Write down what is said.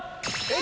え！